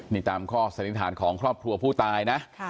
นี่ตามข้อสันนิษฐานของครอบครัวผู้ตายนะ